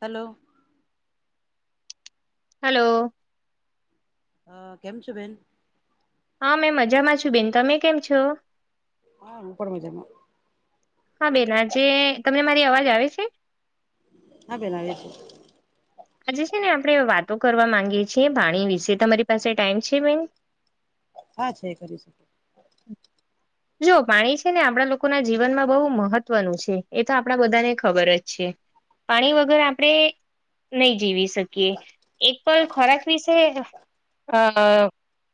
Hello. Hello. હ, કેમ છો બેન? હા મેં મજામાં છું બેન તમે કેમ છો? હા હું પણ મજામાં. હા બેન આજે તમૅ મારી અવાજ આવે છે? હા બેન આવે છે. આજે છે ને આપણે વાતો કરવા માંગીએ છીએ પાણી વિશે, તમારી પાસે ટાઈમ છે બેન? હા છે કરી શકીએ. જો પાણી છે ને આપણા લોકોના જીવનમાં બહુ મહત્વનું છે, એ તો આપણા બધાને ખબર જ છે. પાણી વગર આપણે નહી જીવી શકીએ એક પણ ખોરાક વિશે અ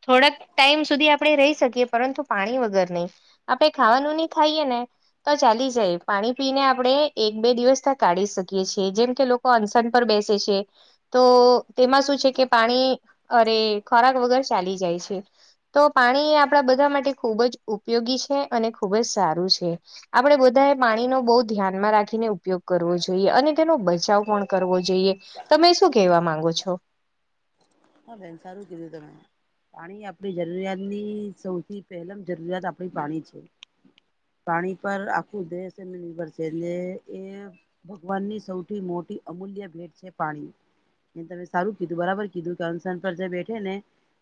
થોડાક ટાઈમ સુધી આપણે રહી શકીએ, પરંતુ પાણી વગર નહીં. આપણે ખાવાનું નહિ ખાઈએે ને તો ચાલી જાય પાણી પીને આપડે એક બે દિવસ કાઢી શકીએ છીએ જેમ કે લો કોન્સન પર બેસે છે. તો તેમાં શું છે કે પાણી અરે ખોરાક વગર ચાલી જાય છે. તો પાણી એ આપણા બધા માટે ખૂબ જ ઉપયોગી છે અને ખૂબ જ સારું છે. આપણે બધાએ પાણીનો બહુ ધ્યાનમાં રાખીને ઉપયોગ કરવો જોઈએ અને તેનો બચાવ પણ કરવો જોઈએ તમે શું કેહેવા માંગો છો? હા બેન સારું કીધું તમે પાણી આપણી જરૂરિયાતની સૌથી પહેલમ જરૂરિયાત આપણી પાણી છે. પાણી પર આખું દેશ એ નિભર છે એટલે એ ભગવાનની સૌથી મોટી અમૂલ્ય ભેટ છે પાણી એ તમે સારું કીધું બરાબર કીધું કર સન પર જે બેઠે ને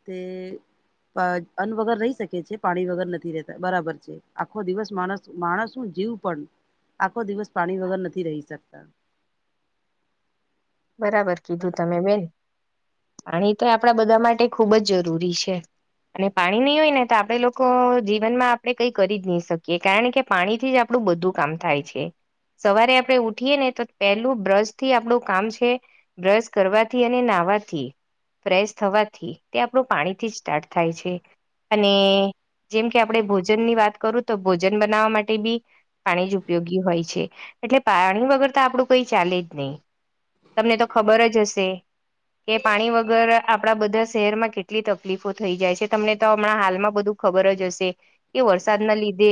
તે અ અન્ન વગર રહી શકે છે પાણી વગર નથી રહેતા બરાબર છે આખો દિવસ માણસ માણસ નું જીવ પણ આખો દિવસ પાણી વગર નથી રહી શકતા બરાબર પર કીધું તમે બેન પાણી તો આપણા બધા માટે ખુબ જ જરૂરી છે. અને પાણી નહીં હોય ને તો આપે લોકો જીવન માં આપણેે કઈ કરી જ નહી શકીએ કારણ કે પાણી થી જ આપણું બધું કામ થાય છે. સવારે આપડે ઉઠીએ ને તો પેલું બ્રશ થી આપડું કામ છે. કે બ્રશ કરવાથી અને નાહવાથી ફ્રેશ થવાથી તે આપણું પાણીથી જ સ્ટાર્ટ થાય છે અને જેમ કે આપણે ભોજનની વાત કરું તો ભોજન બનાવવા માટે બી પાણી જ ઉપયોગી હોય છે. એટલે પાણી વગર તો આપડું કોઈ ચાલે જ નહી તમને તો ખબર જ હશે કે પાણી વગર આપડા બધા શહેરમાં કેટલી તકલીફો થઈ જાય છે તમને તો હમણાં હાલમાં બધું ખબર જ હશે કે વરસાદના લીધે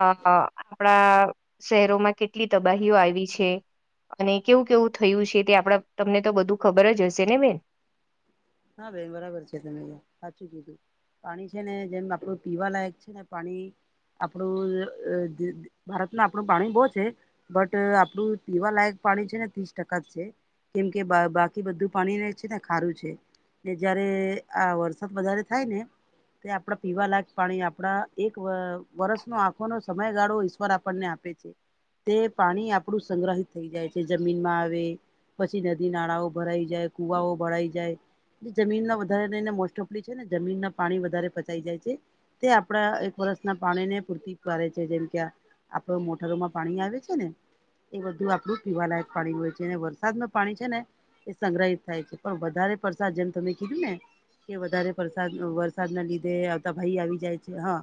અ આપણા શહેરોમાં કેટલી તબાહીઓ આવી છે અને કેવું કેવું થયું છે. તે આપણા કુટુંબ ને તો બધું ખબર જ હશે ને બેન હા બેન બરાબર છે તમેં સાચું કીધું પાણી છે ને જેમ આપડું પીવા લાયક છે ને પાણી આપણું ભારતમાં આપણું પાણી બો છે. બટ આપડું પીવા લાયક પાણી છે ને ત્રીસ ટકા જ છે. કેમ કે બાકી બધું પાણીને છે ને ખારું છે. કે જયારે આ વરસાદ વધારે થાય ને તે આપડા પીવાલાયક પાણી આપડા એક વર્ષનો આંખો નો સમયગાળો ઈશ્વર આપણને આપ તે પાણી આપણું સંગ્રહિત થઈ જાય છે જમીનમાં આવે પછી નદી નાળાઓ ભરાઈ જાય કુવાઓ ભરાઈ જાય જમીનમાં વધારે લઈને મોસ્ટ ઓફડી છે ને જમીનના પાણી વધારે પચાઈ જાય છે. તે આપણા એક વરષના પાણીની પૂરતી કરે છે જેમ કે આપડું મોટરમાં પાણી આવે છે ને એ બધું આપડું પીવાલાયક પાણી હોય છે અને વરસાદનું પાણી છે ને એ સંગ્રહિત થાય છે પણ વધારે પ્રસાદ જેમ તમે કીધું ને કે વધારે વરસાદ વરસાદના લીધે આવતા ભાઈ આવી જાય છે હા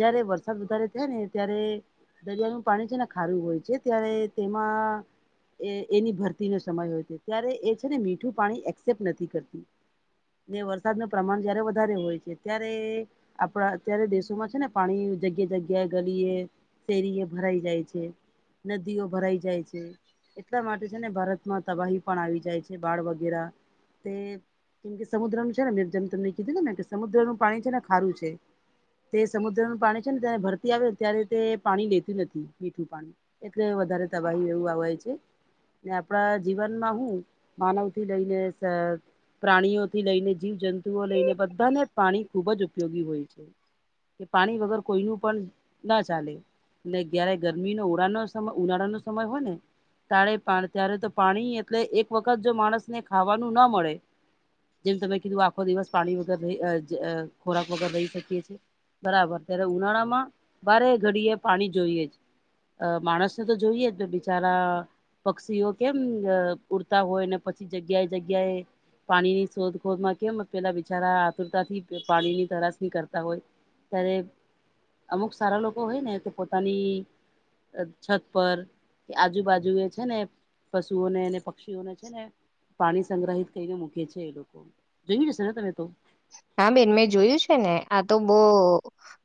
જયારે વરસાદ વધારે થાય ને ત્યારે દરિયાનું પાણી છે ને ખારું હોય છે ત્યારે તેમાં એ એની ભરતીનો સમય હોય છે ત્યારે એ છે ને મીઠું પાણી એક્સેપ્ટ નથી કરતી ને વરસાદનું પ્રમાણ જયારે વધારે હોય છે ત્યારે આપણા અત્યારે દેશોમાં છે ને પાણી જગ્યા જગ્યાએ ગલીએ શેરી એ ભરાઈ જાય છે નદીઓ ભરાઈ જાય છે. એટલા માટે છે ને ભારતમાં તબાહી પણ આવી જાય છે બાળ વગેરા તે કેમ કે સમુદ્રનું છે ને મેં જેમ તમને કીધું કે સમુદ્રનું પાણી છે ને ખારું છે. તે સમુદ્રનું પાણી છે ને તેને ભરતી આવે ત્યારે તે પાણી લેતી નથી મીઠું પાણી એટલે વધારે તબાહી એવું આવાય છે. ને આપણા જીવનમાં હું માનવ થી લઈને પ્રાણીઓથી લઈને જીવ જંતુઓ લઈને બધાને પાણી ખૂબ જ ઉપયોગી હોય છે. કે પાણી વગર કોઈનું પણ ના ચાલે જયારે ગરમીનો ઉડા નો સમય ઉનાળાનો સમય હોય ને તારે પા ત્યારે તો પાણી એટલે એક વખત જો માણસને ખાવાનું ન મળે જેમ તમે કીધું આખો દિવસ પાણી વગર ખોરાક વગર રહી શકીએ છીએ. બરાબર ત્યારે ઉનાળા માં બારે ઘડી એ પાણી જોઈએ છે. અ માણસને તો જોઈએ જને બિચારા પક્ષીઓ કેમ ઉડતા હોય ને પછી જગ્યાએ જગ્યાએ પાણીની શોધખોધમાં કેમ પેલા બિચારા આતુરતાથી પાણીની તરાસની કરતા હોય ત્યારે અમુક સારા લોકો હોય ને કે પોતાની છત પર એ આજુબાજુ એ છે ને પશુઓને એને પક્ષીને છે ને પાણી સંગ્રહિત કરીને મૂકે છે એ લોકો જોયું જશે ને તમે તો હા બેન મેં જોયું છે ને આ તો બહુ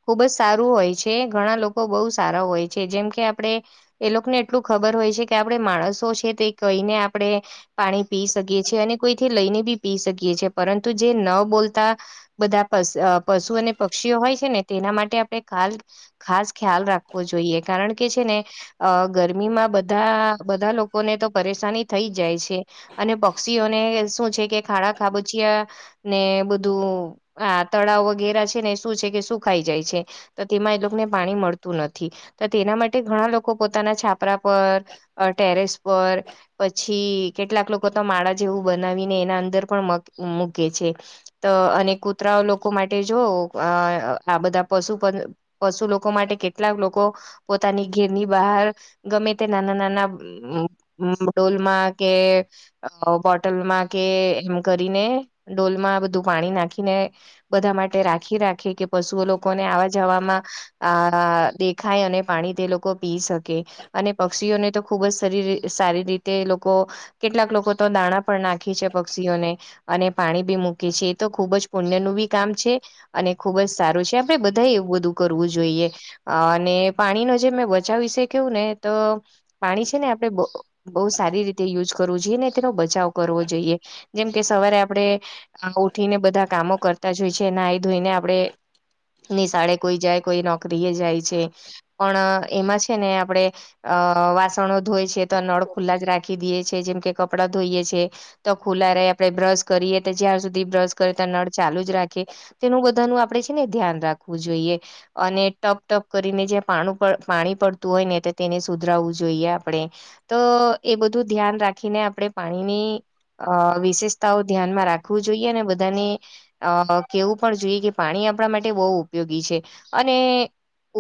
ખુબ જ સારું હોય છે ઘણા લોકો બઉ સારા હોય છે જેમ કે આપણે એ લોકોને એટલું ખબર હોય છે કે આપણે માણસો છે તે કહીને આપણે પાણી પી શકીએ છીએ અને કોઈથી લઈને બી પી શકીએ છીએ પરંતુ જે ન બોલતા બધા પ પશુ અને પક્ષીઓ હોય છે ને તેના માટે આપણે ખાલ ખાસ ખ્યાલ રાખવો જોઈએ કારણ કે છે ને અ ગરમીમાં બધા બધા લોકોને તો પરેશાની થઈ જાય છે. અને પક્ષીઓને શું છે કે ખાડા ખાબુચિયા ને બ ધું આ તળાવ વગેરે છે ને શું છે કે શું ખાઈ જાય છે. તો તેમાં એ લોકોને પાણી મળતું નથી તો તેના માટે ઘણા લોકો પોતાના છાપરા પર અ ટેરેસ પર પછી કેટલાક લોકો તો માળા જેવું બનાવીને એના અંદર પણ મગ મૂકે છે. તો અને કૂતરાઓ લોકો માટે જોવ અ આ બધા પશુ પણ પશુ લોકો માટે કેટલાક લોકો પોતાની ઘેરની બહાર ગમે તે નાના નાના હમ્મ ડોલમાં કે અ બોટલમાં કે એમ કરીને ડોલમાં બધું પાણી નાખીને બધા માટે રાખી રાખે કે પશુઓ લોકોને આવા જવામાં આ કે ખાય અને પાણી તે લોકો પી શકે અને પક્ષીઓને તો ખૂબ જ સરી સારી રીતે લોકો કેટલાક લોકો તો દાણા પણ નાખી છે પક્ષીઓને અને પાણી બી મૂકે છે. તો ખુબ જ પુણ્ય નું બી કામ છે અને ખુબ જ સારું છે આપણેે બધા એવું બધું કરવું જોઈએ. અને પાણીનો જે મેં બચાવી શક્યું ને તો પાણી છે ને આપડે બહુ બહુ સારી રીતે યુઝ કરવું જોઈએ ને તેનો બ બચાવ કરવો જોઈએ જેમ કે સવારે આપડે આઉ ઉઠીને બધા કામો કરતા જ હોય છે નાઈ ધોઈને આપડે નીશાળે કોઈ જાય કોઈ નોકરીએ જાય છે પણ એમાં છે ને આપડે અહ વાસણો ધોય છે તો નળ ખુલ્લા જ રાખી દેએ છે જેમ કે કપડાં ધોઈએ છે. તો ખુલ્લા રે આપડે બ્રશ કરીએ તો જ્યાં સુધ ઘી બ્રશ કરે ત્યાં નળ ચાલુ જ રાખે તેનું બધા નું આપડે છે ને ધ્યાન રાખવું જોઈએ. અને ટપ ટપ કરીને જ્યાં પાણુંપ પાણી પડતું હોય ને તે તેને સુધરાવવું જોઈએ આપણે તો એ બધું ધ્યાન રાખીને આપણે પાણીની અહ વિશેષતાઓ ધ્યાનમાં રાખવું જોઈએ અને બધાની અહ કેવું પણ જોઈએ કે પાણી આપણા માટે બહુ ઉપયોગી છે અને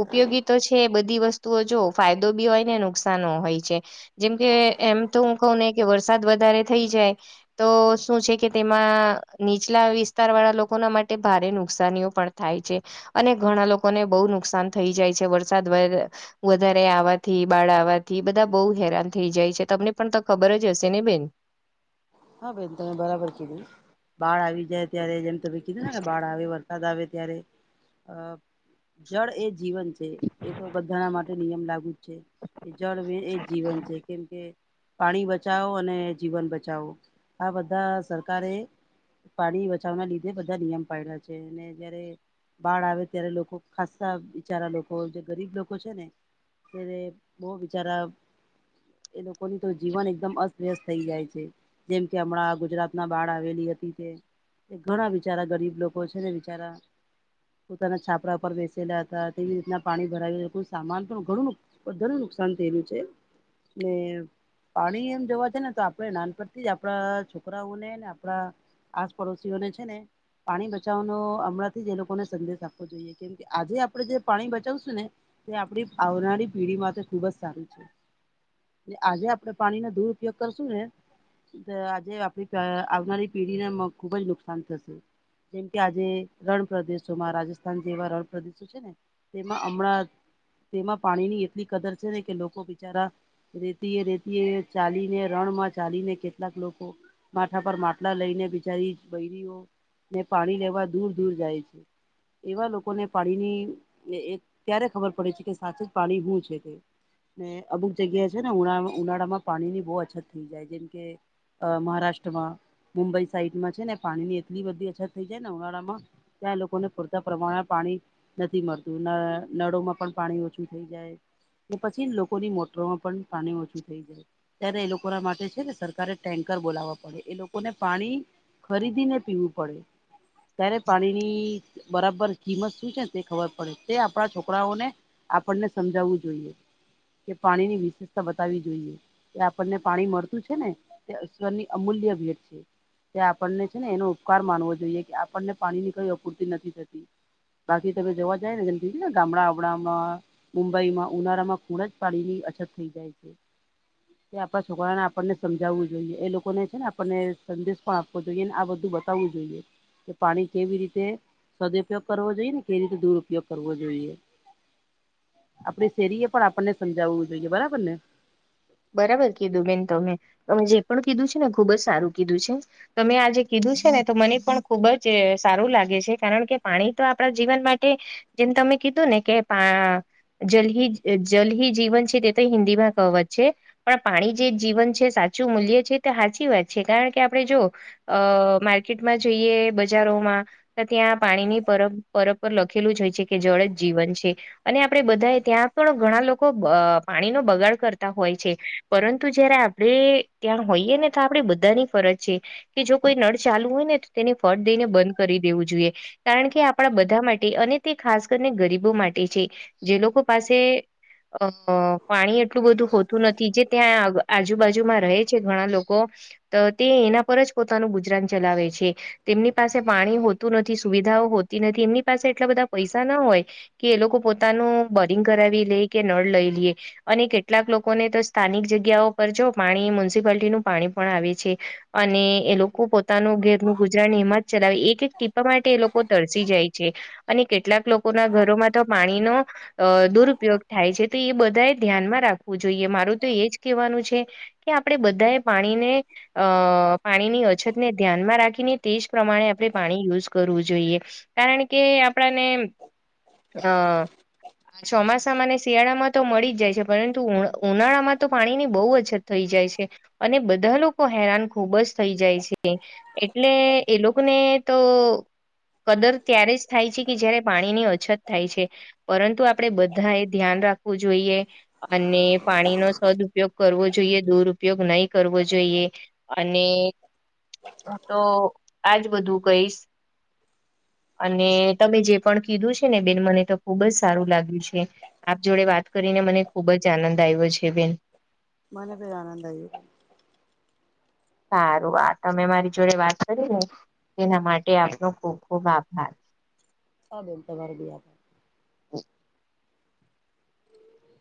ઉપયોગી તો છે બધી વસ્તુઓ જો ફાયદો બી હોય ને નુકસાન હોય છે. જેમકે એમ તો હું કઉ ને કે વરસાદ વધારે થઈ જાય તો શું છે કે તેમ માં નીચલા વિસ્તાર વાળા લોકોના માટે ભારે નુકસાનીઓ પણ થાય છે. અને ઘણા લોકોને બહુ નુકસાન થઈ જાય છે વરસાદ વર વધારે આવવાથી બાળ આવવાથી બધા બહુ હેરાન થઈ જાય છે તમને પણ તો ખબર જ હશે ને બેન? હા બેન તમે બરાબર કીધું બાળ આવી જાય ત્યારે જેમ તમે કીધું ને કે બાળ આવે વર સાદ આવે ત્યારે અહ જળ એ જીવન છે એ તો બધાના મા ટે નિયમ લાગુ જ છે કે જળ એ જીવન છે કેમ કે પાણી બચાવો અને જીવન બચાવો આ બધા સરકારે પાણી બચાવવાના લીધે બધા નિયમ પાયડા છે અને જયારે બાળ આવે ત્યારે લોકો ખાસા બિચારા લોકો જે ગરીબ લોકો છે ને ત્યારે બઉ બિચારા એ લોકોની તો જીવન એકદમ અસ્વ્યસ્ત થઇ જાય છે. જેમ કે હમણાં ગુજરાતમાં બાડ આવેલી હતી તે એ ઘણા બિચારા ગરીબ લોકો છે ને બિચારા પોતાના છાપરા પર બેસેલા હતા તેવી રીતના પાણી ભરાય હતું કોઈ સામાન પણ ઘણું પણ ઘણુ નુકસાન થયેલું છે ને પાણી એમ જવા છે ને તો આપણે નાનપણ થી જ આપડા છોકરાઓને ને આપણા આસપડોશીઓને છે ને પાણી બચાવવાનો હમણાંથી જ એ લોકોને સંદેશ આપવો જોઈએ કેમ કે આજે આપડે જે પાણી બચાવશું ને તે આપડી આવનારી પેઢી માટે ખુબ જ સારું છે. આજે આપણે પાણીનો દુરપયોગ કરશું ને દ આજે આપડી અહ આવનારી પેઢી ને મ ખુબ જ નુકસાન થશે. જેમ કે આજે રણપ્રદેશોમાં રાજસ્થાન જેવા રણપ્રદેશો છે ને તેમાં હમણાં તેમાં પાણીની એટલી કદર છે ને કે લોકો બિચારા રેતી એ રેતી એ ચાલીને રણમાં ચાલીને કે કેટલાક લોકો માથા પર માટલા લઈને બિચારી બયરીઓ ને પાણી લેવા દૂર દૂર જાય છે એવા લોકોને પાણીની એટલે એ ત્યારે ખબર પડે છે કે સાચે જ પાણી શું છે તે ને અમુક જગ્યાએ છે ને ઉના ઉનાળામાં પાણીની બહુ અછત થઈ જાય જેમ કે અહ મહારાષ્ટ્રમાં મુંબઈ સાઈડમાં છે ને પાણીની એટલી બધી અછત થઈ જાય ને ઉનાળામાં ત્યાં લોકોને પૂરતા પ્રમાણમા પાણી નથી મળતું ન નળોમાં પણ પાણી ઓછું થઈ જાય તો પછી લોકોની મોટરોમાં પણ પાણી ઓછું થઈ જાય ત્યારે એ લોકોના માટે છે ને સરકારે ટેન્કર બોલાવવા પડે એ લોકોને પાણી ખરીદી ને પીવું પડે ત્યારે પાણીની બરાબર કિંમત શું છે તે ખબર પડે તે આપણા છોકરાઓને આપણને સમજાવવું જોઈએ. કે પાણીની વિશેષતા બતાવવી જોઈએ કે આપણને પાણી મળતું છે ને તે અશ્વરની અમૂલ્ય ભેટ છે. તે આપણને છે ને એનો ઉપકાર માનવો જોઈએ કે આપણને પાણીની કઈ અપૂર્તિ નથી થતી. બાકી તમે જવા જાયને જેમ કીધુંને ગામડાઅમડામાં. મુંબઈમાં ઉનાળામાં ખૂણ જ પાણીની અછત થઈ જાય છે. તે આપણા છકરાઓને આપણને સમજ જાવું જોઈએ એ લોકોને છે ને આપણને સંદેશ પણ આપવો જોઈએ ન આ બધું બતાવવું જોઈએ. કે પાણી કેવી રીતે, સદીઉપયોગ કરવો જોઈએ ને કેવી રીતે દુર ઉપયોગ કરવો જોઈએ. આપડી શેરીએ પણ આપણને સમજાવવું જોઈએ. બરાબર ને? બરાબર કીધું બેન તમે તમે જે પણ કીધું છે ને ખુબ જ સારું કીધું છે. તમે આજે કીધું છેને તો મને પણ ખુબ જ અ સારું લાગે કારણ કે પાણી તો આપણા જીવન માટે, જેમ તમે કીધુંને કે પા જલહી જ જલહી જીવન છે તે તો હિન્દીમાં કવત. છે પણ પાણી જે જીવન છે સાચું મૂલ્ય છે તે હાચી વાત છે કારણ કે આપડે જો અ માર્કિટમાં જઈએ બજારોમાં તો ત્યાં પાણીની પરબ પરબ પર લખેલું જ હોય છે કે જળ એ જ જીવન છે. અને આપડે બધાય ત્યાં પણ ઘણા લોકો બ અ પાણીનો બગાડ કરત તા હોય છે. પરંતુ, જયારે આપડે ત્યાં હોઈએ ને તો આપણે બધાની ફરજ છે. કે જો કોઈ નળ ચાલુ હોય ને તો તેને ફટ દઈને બંધ કરી દેવું જોઈએ. કારણ કે આપણા બધા માટે અને તે ખાસ કરીને ગરીબો માટે છે, જે લોકો પાસે અ પાણી એટલું બધું હોતું નથી. જે ત્યાં આજુબાજુમાં રહે છે. ઘણા લોકો તો તે એના પર જ પોતાનું ગુજરાન ચલાવે છે. તેમની પાસે પાણી હોતું નથી, સુવિધાઓ હોતી નથી, એમની પાસે એટલા બધા પૈસા ના હોય. કે એ લોકો પોતાનું બરિંગ કરાવી લે કે નળ લઈ લીયે અને કે કેટલાક લોકોને તો સ્થાનિક જગ્યાઓ પર જો પાણી મ્યુનિસિપાલિટીનું પાણી પણ આવે છે. અને એ લોકો પોતાનું ઘેરનું ગુજરાન એમાં જ ચલાવી એક એક ટીપા માટે એ લોકો તરસી જાય છે. અને કેટલાક લોકોના ઘરોમાં તો પાણીનો અ દુરુપયોગ થાય છે. તો એ બધા એ ધ્યાનમાં રાખવું જોઈએ મારું તો એજ કહેવાનું છે. કે આપડે બધાએ પાણીને અ પાણીની અછતને ધ્યાનમાં રાખીને તે જ પ્રમાણે આપડે પાણી યુઝ કરવું જોઈએ. કારણ કે આપણાને, [unintelligible] ચોમાસાને, શિયાળામાં તો મળી જ જાય છે પરંતુ, તું ઉનાળામાં તો પાણીની બહુ અછત થઈ જાય છે. અને બધા લોકો હેરાન ખુબ જ થઈ જાય છે. એટલે એ લોકને, તો કદર ત્યારે જ થાય છે કે જયારે પાણીની અછત થાય છે. પરંતુ આપડે બધાએ ધ્યાન રાખવું જોઈએ. અને પાણીનો સદઉપ યોગ કરવો જોઈએ, દુરપયોગ નઈ કરવો જોઈએ. અને હું તો આજ બધું કહીશ. અને તમે જે પણ કીધું છે ને બેન, મને તો ખુબ જ સારું લાગ્યું છે. આપ જોડે વાત કરીને મને ખુબ જ આનંદ આવ્યો છે બેન. મને બી આનંદ આયવો. હારું આ તમે મારી જોડે વાત કરીને એના માટે આપનો ખુબ ખુબ આભાર. [unintelligible] [inaudible]